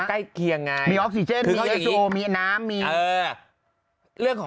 ดำเนินคดีต่อไปนั่นเองครับ